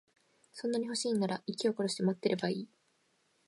そんなに欲しいんなら、息を殺して待ってればいい。